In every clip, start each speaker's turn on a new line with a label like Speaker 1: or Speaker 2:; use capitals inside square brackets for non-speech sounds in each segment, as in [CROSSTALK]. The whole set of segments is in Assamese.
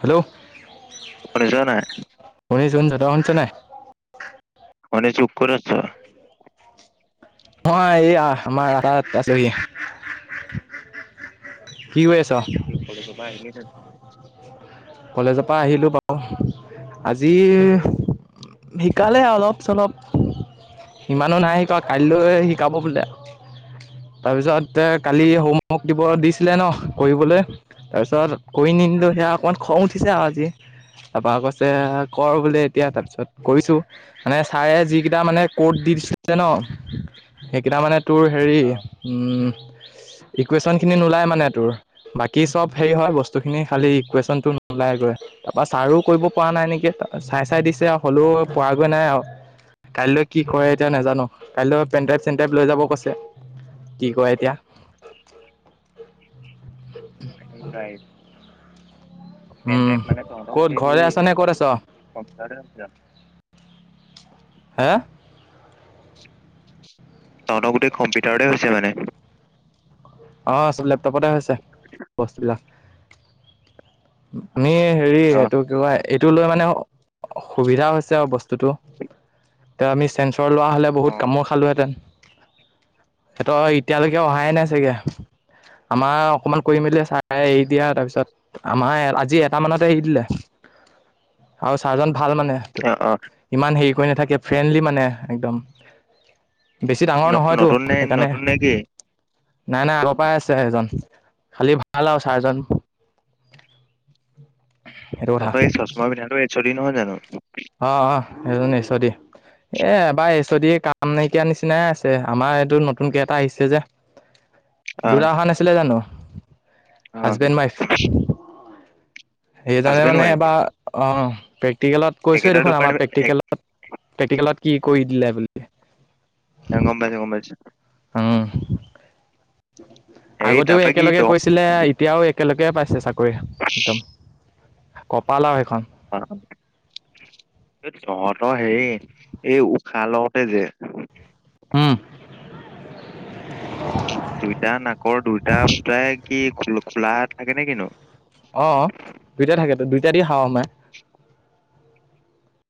Speaker 1: হেল্ল'
Speaker 2: শুনিছ নাই।
Speaker 1: শুনিছো ত‌ই শুনিছো নে নাই?
Speaker 2: মানে শুক্ৰেশ্বৰ?
Speaker 1: অ' এইয়া আমাৰ আধাৰ আছে হি। কি কৰি আছ?
Speaker 2: [INAUDIBLE] কলেজৰ পৰা আহিয়ে জাবি।
Speaker 1: কলেজৰ পৰা আহিলোঁ বাৰু আজি। শিকালে অলপ-চলপ। সিমানো নাই শিকোৱা কাইলৈ শিকাব বোলে। তাৰপিছতে কালি হোমৱৰ্ক দিব দিছিলে ন কৰিবলৈ তাৰপিছত কৰি নিনিলো
Speaker 2: অ',
Speaker 1: সেয়া অকণমান
Speaker 2: অ',
Speaker 1: খং উঠিছে আৰু আজি। তাৰাপৰা কৈছে কৰ বোলে এতিয়া তাৰপিছত কৰিছো। মানে ছাৰে যিকেইটা মানে ক'ড দি দিছিলে যে ন' সেইকেইটা মানে তোৰ হেৰি
Speaker 2: অ',
Speaker 1: উম ইকুৱেশ্যনখিনি নোলায় মানে তোৰ, বাকী চব হেৰি হয় বস্তুখিনি খালী ইকুৱেশ্যনটো নোলায় গৈ। তাৰপা ছাৰো কৰিব পৰা নাই নেকি? তা চাই চাই দিছে আৰু হলেও পৰাগৈ নাই আৰু। কাইলৈ কি কৰে এতিয়া নাজানো? কাইলৈ পেনড্ৰাইব - চেনড্ৰাইব লৈ যাব কৈছে। কি কৰে এতিয়া?
Speaker 2: পেনড্ৰাইভ,
Speaker 1: উম
Speaker 2: পেনড্ৰাইভ মানে তহতৰ
Speaker 1: ক'ত
Speaker 2: গোটেই
Speaker 1: ঘৰতে
Speaker 2: সেই
Speaker 1: আছ নে
Speaker 2: লে
Speaker 1: ক'ত আছ
Speaker 2: কম্পিউটাৰ কম্পিউটাৰটে [INAUDIBLE]
Speaker 1: হা?
Speaker 2: তহতৰ গোটেই কম্পিউটাৰতে হৈছে মানে?
Speaker 1: অ' চব লেপটপতে হৈছে বস্তুবিলাক। আমি হেৰি
Speaker 2: অ',
Speaker 1: এইটো কি কয় এইটো লৈ মানে অ সুবিধা হৈছে আৰু বস টোতো, তে আমি চেঞ্চৰ লোৱা হ'লে বহুত
Speaker 2: অ',
Speaker 1: কামোৰ খালোহেঁতেন। সেইটো এতিয়ালৈকে অহাই নাই চাগে। আমাৰ অকমান কৰি মেলি চাই এৰি দিয়া তাৰপিছত আমাৰ এ আজি এটামানতে এৰি দিলে আৰু ছাৰজন ভাল মানে।
Speaker 2: অ'-অ'।
Speaker 1: ইমান হেৰি কৰি নাথাকে, ফ্ৰেণ্ডলি মানে একদম। বেছি ডাঙৰ নহয়তো
Speaker 2: ন-নতুন নে
Speaker 1: সেইকাৰণে,
Speaker 2: নতুন নে কি?
Speaker 1: নাই নাই আ পাই আছে এজন, খালি ভাল আৰু চাৰজন। সেইটো কথা
Speaker 2: তহঁতৰ এই চচমা পিন্ধাটো এইচ অ ডি নহয় জানো?
Speaker 1: অ'- অ', সেইজন এইচ অ ডি। এ এবাৰ এইছ অ ডিয়ে কাম নাইকিয়া নিচিনাই আছে, আমাৰ এইটো নতুনকে এটা আহিছে যে
Speaker 2: অ',
Speaker 1: দুটা অহা নাছিলে জানো?
Speaker 2: অ',
Speaker 1: হাজবেণ্ড - ৱাইফ। সেইকাৰণে
Speaker 2: হাজবেণ্ড
Speaker 1: মানে
Speaker 2: ৱাইফ
Speaker 1: এবাৰ অ প্ৰেক্টিকেলত কৈছোয়ে
Speaker 2: একেটা
Speaker 1: দেখোন আমাৰ
Speaker 2: ডিপাৰ্টমেণ্ট এক
Speaker 1: প্ৰেক্টিকেল প্ৰেক্টিকেলত কি কৰি দিলে বুলি?
Speaker 2: এ গম পাইছো গম পাইছো।
Speaker 1: উম।
Speaker 2: হেৰি
Speaker 1: আগতেও
Speaker 2: তাৰপা কি
Speaker 1: একেলগে
Speaker 2: তহ
Speaker 1: কৰিছিলে এতিয়াও একেলগে পাইছে চাকৰি একদম। কপাল আৰু সেইখন।
Speaker 2: অ তহঁতৰ হেৰি, এই উশাহ লওতে যে
Speaker 1: উম।
Speaker 2: দুইটা নাকৰ দুইটা ফুটাই কি খোল খোলা থাকে নে কিনো?
Speaker 1: অ। দুইটাই থাকে তো দুইটা দি হাৱা সোমায়,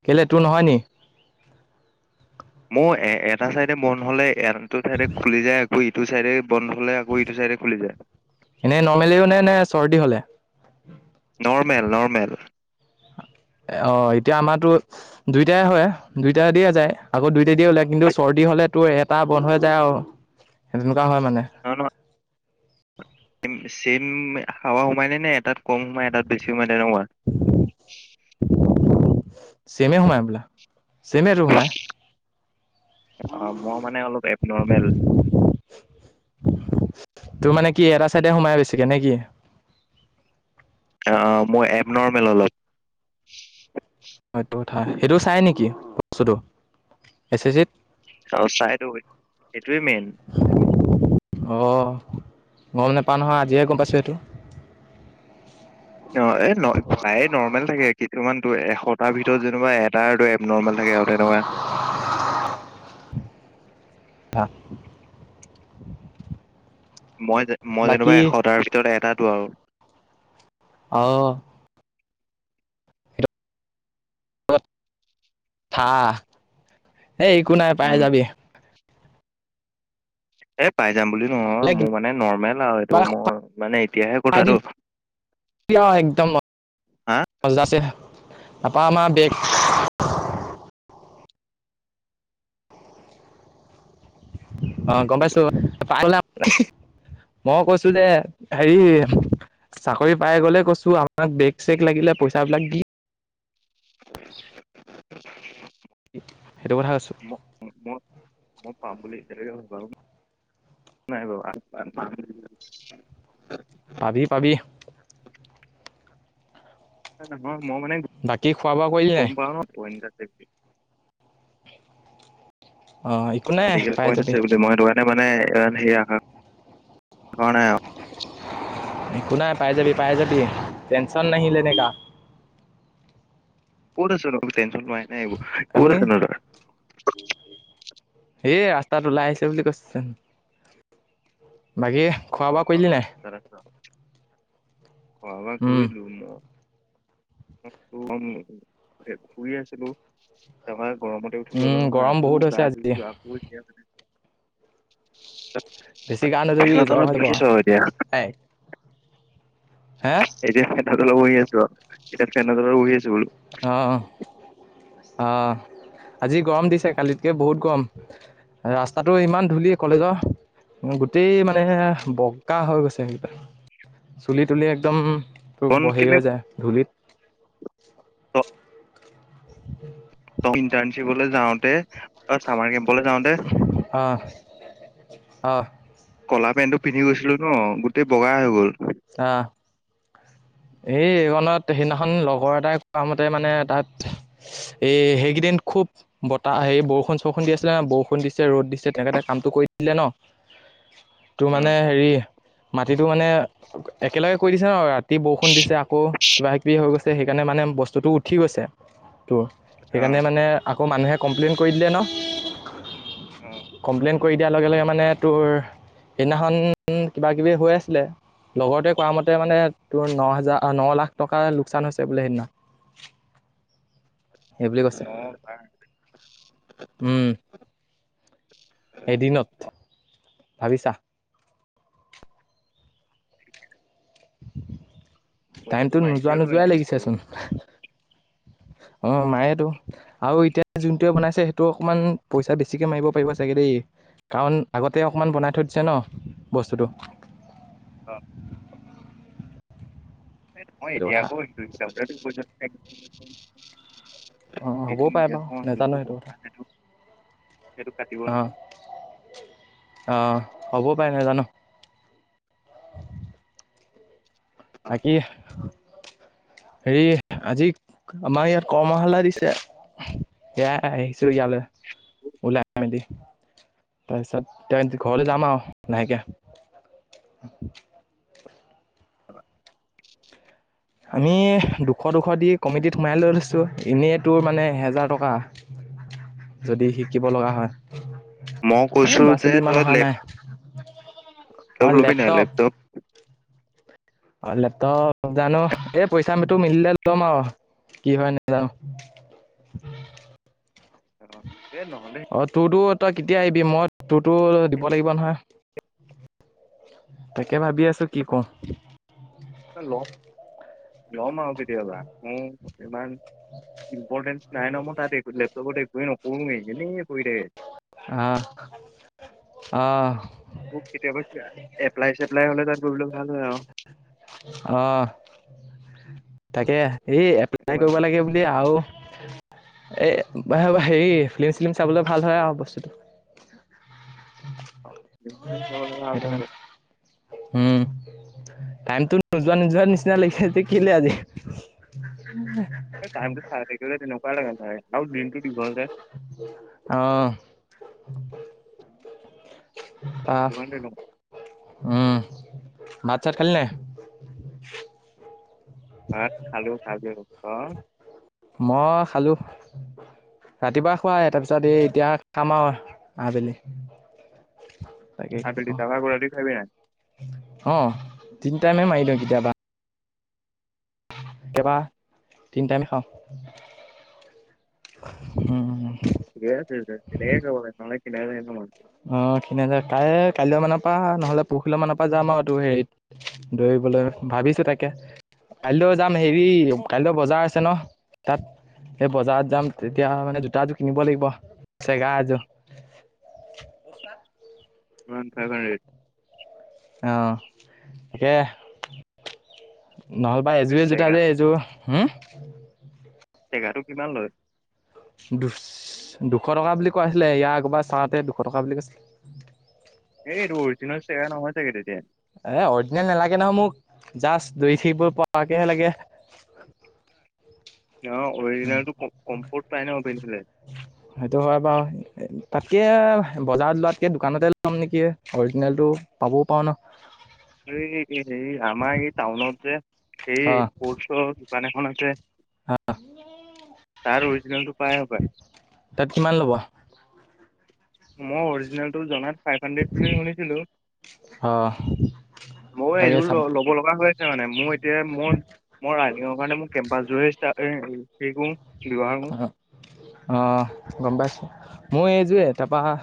Speaker 1: কেলে তোৰ নহয় নি?
Speaker 2: মোৰ এ এটা চাইডে বন্ধ হলে আনটো চাইডে খুলি যায় আকৌ ইটো চাইডে বন্ধ হ'লে আকৌ এইটো চাইডে খুলি যায়।
Speaker 1: এনেই নৰ্মেলিও নে নে চৰ্দি হ'লে?
Speaker 2: Normal normal.
Speaker 1: এ অ' এতিয়া আমাৰটো দুইটাই হয় দুইটাই দিয়ে যায় আকৌ দুইটাই দিয়ে ওলাই কিন্তু চৰ্দি হ'লে তোৰ এটা বন্ধ হৈ যায় আৰু তেনেকুৱা হয় মানে
Speaker 2: [UNINTELLIGIBLE] চেম হাৱা সোমাইনে নে এটাত কম সোমাই এটাত বেছি সোমাই তেনেকুৱা
Speaker 1: চেমে সোমাই হ'বলা চেমেটো সোমাই
Speaker 2: অ মই মানে অলপ এব নৰ্মেল
Speaker 1: তোৰ মানে কি এটা চাইডে সোমাই বেছিকে নে কি
Speaker 2: অ মোৰ এব নৰ্মেল অলপ
Speaker 1: এইটো কথা সেইটো চাই নেকি বস্তুটো এছ এছ চিত
Speaker 2: অ চাইটো সেইটোৱে মেইন
Speaker 1: অ গম নেপাও নহয় আজিহে গম পাইছোঁ এইটো
Speaker 2: অ এ প্ৰায়ে নৰ্মেল থাকে কিছুমানতো এশটা ভিতৰত তোমাৰ এটাৰটো এব নৰ্মেল থাকে আৰু তেনেকুৱা
Speaker 1: [UNINTELLIGIBLE]
Speaker 2: মই মই যেনিবা
Speaker 1: বাকী
Speaker 2: এশটাৰ ভিতৰত এটাতো আৰু
Speaker 1: অ সেইটো হাহঁ এই একো নাই পাই
Speaker 2: উম
Speaker 1: যাবি
Speaker 2: এ পাই যাম বুলি
Speaker 1: বোলে
Speaker 2: নহয় মোৰ মানে নৰ্মেল আৰু
Speaker 1: কিবা
Speaker 2: এইটো
Speaker 1: এটা
Speaker 2: মোৰ মানে এতিয়াহে
Speaker 1: খুৱাই
Speaker 2: কথাটো
Speaker 1: দিবি একদম
Speaker 2: হা
Speaker 1: মজাছে তাৰপৰা আমাৰ বেগ অ গম
Speaker 2: কি
Speaker 1: পাইছো [UNINTELLIGIBLE] মই কৈছো যে হেৰি চাকৰি পাই গ'লে কৈছো আমাক বেগ চেগ লাগিলে পইচাবিলাক দি [INAUDIBLE] সেইটো কথা কৈছোঁ
Speaker 2: মই মই পাম বুলি এতিয়ালৈকে ভবাও নাই বাৰু [UNINTELLIGIBLE]
Speaker 1: পাবি পাবি
Speaker 2: নহয় মই মানে
Speaker 1: বাকী খোৱা বোৱা কৰিলি
Speaker 2: গম
Speaker 1: নাই
Speaker 2: পাও ন পৰিনিতা হত আছে বুলি
Speaker 1: অই
Speaker 2: ডিফ্ৰিকেল পইণ্ট আছে বুলি মই তোমাতে মানে ইমান হেৰি নাইকৰা কৰা নাই আৰু
Speaker 1: একো নাই পাই যাবি পাই যাবি টেনচন নহী লেনে কা
Speaker 2: ক'ত আছনো এইবোৰ টেনচন লোৱাই নাই
Speaker 1: আমি
Speaker 2: এইবোৰ ক'ত আছনো তই
Speaker 1: এই ৰাস্তাত ওলাই আহিছো বুলি কৈছিলোচোন বাকী খোৱা
Speaker 2: অ
Speaker 1: বোৱা
Speaker 2: অ
Speaker 1: কৰিলি নাই
Speaker 2: তাতে আছ খোৱা বোৱা
Speaker 1: উম
Speaker 2: কইলো মই [UNINTELLIGIBLE] শুই আছিলো নহয় গৰমতে উঠি গলো
Speaker 1: উম
Speaker 2: নহয়
Speaker 1: গৰম
Speaker 2: আকৌ
Speaker 1: বহুত
Speaker 2: গা
Speaker 1: হৈছে আজি
Speaker 2: ধুইছো আকৌ এয়া মানে
Speaker 1: বেছি গা নুধুবি
Speaker 2: ফেনৰ
Speaker 1: জ্বৰ
Speaker 2: তলত
Speaker 1: হৈ যাব
Speaker 2: বহি আছো আৰু এতিয়া
Speaker 1: এই হে
Speaker 2: এতিয়া ফেনৰ তলত বহি আছো আৰু এতিয়া ফেনৰ তলত বহি আছো বোলো
Speaker 1: অঁ অঁ আজি গৰম দিছে কালিতকৈ বহুত গৰম ৰাস্তাটো ইমান ধূলি কলেজৰ গোটেই মানে বগা হৈ গৈছে চুলি তুলি একদম তো
Speaker 2: ফোন
Speaker 1: বহি
Speaker 2: কেলে
Speaker 1: হৈ যায় ধূলিত উম
Speaker 2: ইন্টাৰ্ণশ্বিপলৈ যাওঁতে অ চামাৰ কেম্পলৈ যাওঁতে
Speaker 1: অহ অহ
Speaker 2: কলা পেণ্টটো পিন্ধি গৈছিলো ন গোটেই বগা হৈ গ'ল
Speaker 1: অ এই এইখনত সেইদিনাখন লগৰ এটাই কোৱা মতে মানে তাত এ সেইকেইদিন খুব বতাহ হেৰি বৰষুণ চৰষুণ দি আছিলে ন বৰষুণ দিছে ৰ'দ দিছে তেখেতে কামটো কৰি দিলে ন তোৰ
Speaker 2: অ
Speaker 1: মানে হেৰি মাটিটো মানে একেলগে কৈ দিছে ন ইয়াত অতি বৰষুণ দিছে আকৌ কিবা ক কিবি হৈ গৈছে সেইকাৰণে মানে বস্তুটো উঠি গৈছে তোৰ
Speaker 2: অ
Speaker 1: সেইকাৰণে মানে আকৌ মানুহে কমপ্লেইন কৰি দিলে ন
Speaker 2: অ
Speaker 1: কমপ্লেইন কৰি দিয়াৰ লগে লগে মানে তোৰ সেইদিনাখন কিবাকিবি হৈ আছিলে লগৰতোৱে কোৱা মতে মানে তোৰ ন হাজাৰ ন লাখ টকা লোকচান হৈছে বোলে সেইদিনা সেইবুলি
Speaker 2: ন
Speaker 1: কৈছে
Speaker 2: ভাই
Speaker 1: উম এদিনত ভাবিছা
Speaker 2: পইচাটো
Speaker 1: টাইমতটো
Speaker 2: মাৰি
Speaker 1: নোযোৱা
Speaker 2: দিলেতো
Speaker 1: নোযোৱাই
Speaker 2: এনেদি বহুত
Speaker 1: লাগিছেচোন অ নায়েতটো আৰু এতিয়া যোনটোৱে বনাইছে সেইটো অকমান পইচা বেছিকে মাৰিব পাৰিব চাগে দেই কাৰণ আগতে অকণমান বনাই থৈ দিছে ন বস্তুটো
Speaker 2: অ মই
Speaker 1: সেইটো
Speaker 2: এতিয়া
Speaker 1: কথা
Speaker 2: আকৌ দুই
Speaker 1: অ হ'বও
Speaker 2: ই
Speaker 1: পাৰে বাৰু নাজানো
Speaker 2: যোনটো ব
Speaker 1: কথা
Speaker 2: সেইটো সেইটো কাটিব
Speaker 1: অ
Speaker 2: লাগে
Speaker 1: অ হ'ব‌ও পাৰে নাজানো বাকি হেৰি আজি আমাৰ ইয়াত কৰ্মশালা দিছে এয়াই আহিছো ইয়ালৈ ওলাইমেলি তাৰ পিছত এ ঘৰলৈ যাম আৰু লাহেকে আমি দুশ দুশ দি কমিটিত সোমাই লৈ লৈছোঁ এনেই তোৰ মানে এহেজাৰ টকা যদি শিকিব লগা হয়
Speaker 2: মই কৈছো
Speaker 1: এ লৰা
Speaker 2: যে
Speaker 1: চোৱলি ইমান
Speaker 2: তই
Speaker 1: অহা নাই আৰু লেপটপ অ লেপটপৰ জানো এই পইচা মিলিলে ল'ম আৰু কি হয় নেযানো
Speaker 2: এ নহ'লে
Speaker 1: অ তোৰতো তই কেতিয়া আহিবি মই তোৰতো দিব লাগিব নহয় তাকে ভাবি আছো কি কৰো
Speaker 2: ল ল'ম আৰু কেতিয়াবা ইমান ইম্পৰ্টেঞ্চ নাই ন মই তাত একো নকৰোৱে এনেই পৰি থাকে
Speaker 1: অহ অহ
Speaker 2: মোক কেতিয়াবা বা এপ্লাই চেপ্লাই হলে তাত গলে ভাল হয় আৰু
Speaker 1: অহ তাকে এই এ এপ্লাই কৰিব লাগে বুলি আৰু এ হেৰি ফিলি্ম চিলিম চাবলৈ ভাল হয় আৰু বস্তুটো উ
Speaker 2: অ ফি‍ল্ম চিল্ম চাবলে ভাল আৰু
Speaker 1: উম টাইমতো নোযোৱা নোযোৱা নিচিনা লাগি আছে কেলে আজি
Speaker 2: টাইমটো চাই থাকিলে তেনেকুৱাই‌ লাগে চাগে আৰু দিনটো দীঘল যে
Speaker 1: অহ অ
Speaker 2: সেইটো কাৰণে তেনেকুৱা
Speaker 1: উম ভাত চাত খালি নে নাই
Speaker 2: ভাত খালো খাইছো অ তই
Speaker 1: মই খালোঁ। ৰাতিপুৱা খুৱাই তাৰপিছত এই এতিয়া খাম আৰু আবেলি। [UNINTELLIGIBLE]
Speaker 2: আবেলি
Speaker 1: কওঁ
Speaker 2: তাৰপৰা আকৌ ৰাতি খাবি নে নাই?
Speaker 1: অ' তিনি টাইমে মাৰি দিওঁ কেতিয়াবা। কেতিয়াবা তিনি টাইমে খাওঁ। [UNINTELLIGIBLE] উম' উম' উম।
Speaker 2: ক কনে নালে কিনেনই [UNINTELLIGIBLE]
Speaker 1: অ' খিনাইছে, কাইলৈ কাইলৈ মানৰ পৰা নহ'লে পৰহিলে মানৰ পৰা যাম আৰু এইটো হেৰিত দৌৰিবলৈ ভাবিছোঁ তাকে। কাইলৈ যাম, হেৰি কাইলৈ বজাৰ আছে ন তাত। সেই বজাৰত যাম, তেতিয়া মানে জোতা এযোৰ কিনিব লাগিব, চেগা এযোৰ। জোতা [UNINTELLIGIBLE]
Speaker 2: ন থউচণ্ এই [UNINTELLIGIBLE]
Speaker 1: অ' সেইয়া। নহ'লবা
Speaker 2: এই
Speaker 1: এযোৰে জোতা
Speaker 2: চেগা
Speaker 1: যে, এযোৰ হ'ম
Speaker 2: চেগাটো কিমান লয়?
Speaker 1: দু দুশ টকা বুলি কৈছিলে, ইয়াৰ আগৰবাৰ চাওতে দুশ টকা বুলি কৈছিলে।
Speaker 2: এই এইটো অৰিজিনল চেগা নহয় চাগে তেতিয়া।
Speaker 1: এ অৰিজিনেল নালাগে নহয় মোক, জাষ্ট দৌৰি থাকিব পৰাকেহে লাগে।
Speaker 2: অ' অৰিজিনেলটো কম্পোৰ্ট পাই ন পিন্ধিলে।
Speaker 1: সেইটো হয় বাৰু। তাতকে বজাৰত লোৱাতকে দোকানতে ল'ম নেকি? অৰিজিনেলটো পাবও পাৰো ন।
Speaker 2: এই-এই আমাৰ এই টাউনত যে, এই
Speaker 1: অ
Speaker 2: স্পৰ্টচৰ দোকান এখন আছে। তাত অৰিজিনেলটো পাই হ'ব পায়।
Speaker 1: তাত কিমান ল'ব?
Speaker 2: মই অৰিজিনেলটো জনাত ফাইভ হানড্ৰেড বুলি শুনিছিলোঁ,
Speaker 1: অ
Speaker 2: মই
Speaker 1: তাকে
Speaker 2: এযোৰ
Speaker 1: চাব
Speaker 2: ল'ব লগা হৈ আছে। হৈছে মানে মই এতিয়া মই মই ৰাণিঙৰ কাৰণে মোৰ কেম্পাচযোৰে হেৰি কৰো। চিলোৱা হ'ল।
Speaker 1: অ অ' গম পাইছোঁ, মোৰ এযোৰে তাৰপৰা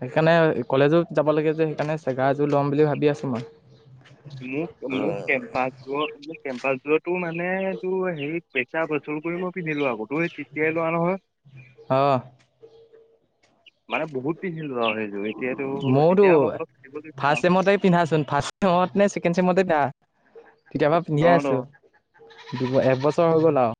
Speaker 1: সেইকাৰণে কলেজত যাব লাগে যে, সেইকাৰণে চেগা এযোৰ ল'ম বুলি ভাবি আছোঁ মই।
Speaker 2: মোক-মোক কেম্পাচযোৰ মোক কেম্পাচযোৰোতো মানে এইটো হেৰি পইচা অচুল কৰি মই পিন্ধিলোঁ আকৌ, তো তেতিয়াই লোৱা নহয়।
Speaker 1: অ
Speaker 2: মানে বহুত পিন্ধিলোঁ আৰু সেইযোৰ এতিয়াটো
Speaker 1: ময়োতো
Speaker 2: এতিয়া অলপ অলপ ফাটিব লৈছে
Speaker 1: ফাৰ্ষ্ট
Speaker 2: আৰু।
Speaker 1: চেমতে পিন্ধাচোন ফাষ্ট চেমত নে ছেকেণ্ড চেমতে কিনা তেতিয়াৰ পৰা পিন্ধিয়ে
Speaker 2: অঁ তো
Speaker 1: আছো। এবছৰ হৈ গ'ল আৰু।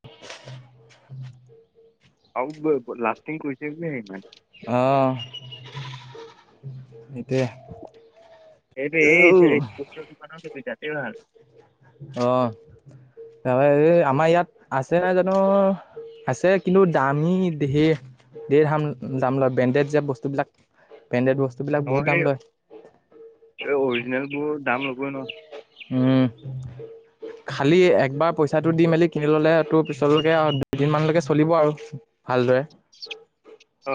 Speaker 2: আৰু লাষ্টিং কৰিছে যে সিমান।
Speaker 1: অ'হ সেইটোৱে।
Speaker 2: এইটো এই ইস্পোষ্টৰ দোকানৰ পৰা কিনিবি তাতে ভাল।
Speaker 1: অ' তাৰপৰা এই আমাৰ ইয়াত আছে নাই জানো? আছে কিন্তু দামী ধেৰ-ধেৰ, দাম দাম লয় ব্ৰেণ্ডেড যে বস্তুবিলাক। বেণ্ডেট বস্তু
Speaker 2: অ' সেই অৰিজিনেল বোৰ দাম লবই ন।
Speaker 1: উম' খালি একবাৰ পইচাটো দি মেলি কিনি ললে তোৰ পিছলৈকে দুইদিন মানলৈকে চলিব আৰু। ভালদৰে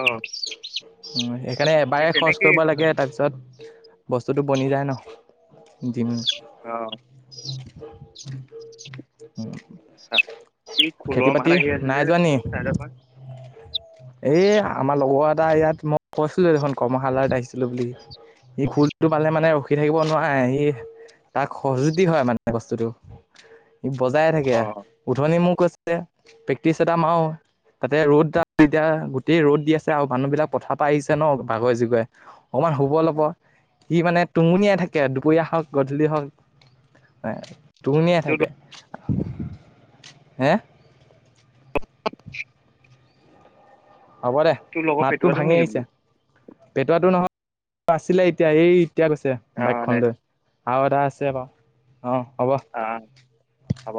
Speaker 2: অঁ
Speaker 1: সেইকাৰণে
Speaker 2: সেই
Speaker 1: এবাৰে খৰচ
Speaker 2: তেনেকেই
Speaker 1: কৰিব লাগে
Speaker 2: কথাটো
Speaker 1: তাৰপিছত বস্তুটো বনি যায় ন, দিম
Speaker 2: অঁ আচ্ছা সি
Speaker 1: [UNINTELLIGIBLE] খেতি
Speaker 2: খোলৰ মাত
Speaker 1: বাতি
Speaker 2: আহি আছে যে
Speaker 1: নাই যোৱা নি?
Speaker 2: তোৰ চাইডৰ পৰা
Speaker 1: এ আমাৰ লগৰ এটা ইয়াত মই কৈছিলো দেখোন কৰ্মশালত আহিছিলো বুলি। ই খোলটো পালে মানে ৰখি থাকিব নোৱাৰে, ই তাৰ খজুতি হয় মানে বস্তুতটো, ই বজাই
Speaker 2: অ
Speaker 1: থাকে, উথনি মোক কৈ ছে প্ৰেক্টিচ এটা মাৰো। তাতে ৰ'দ এতিয়া গোটেই ৰ'দ দি আছে আওঁ মানুহ বিলাক পথাৰ পৰা আহিছে ন ভাগৰি জোগৰে। অকমান শুব
Speaker 2: অ,
Speaker 1: লব, সি মানে টুঙুনিয়াই থাকে দুপৰীয়া হক হক তঙনিয়াই
Speaker 2: তোৰ
Speaker 1: থাকে,
Speaker 2: লগ
Speaker 1: হে হ'ব দে
Speaker 2: তোৰ লগৰ
Speaker 1: মাতটো
Speaker 2: পেটুৱাটো
Speaker 1: ভাঙি
Speaker 2: নেকি
Speaker 1: আহিছে।
Speaker 2: বোলো
Speaker 1: পেটোৱাটো নহয় আছিলে এতিয়া এই এতিয়া গৈছে
Speaker 2: অ
Speaker 1: বাইকখন
Speaker 2: দে
Speaker 1: লৈ। আৰু এটা আছে বাও, অঁ হ'ব।
Speaker 2: অঁ হ'ব।